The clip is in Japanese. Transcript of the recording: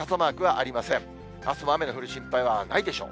あすも雨の降る心配はないでしょう。